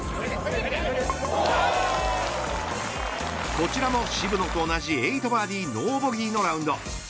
こちらも渋野と同じ８バーディーノーボギーのラウンド。